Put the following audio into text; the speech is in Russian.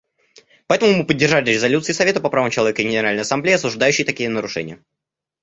Поэтому мы поддержали резолюции Совета по правам человека и Генеральной Ассамблеи, осуждающие такие нарушения.